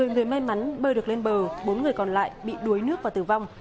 một mươi người may mắn bơi được lên bờ bốn người còn lại bị đuối nước và tử vong